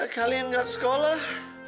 kalian ga sekolah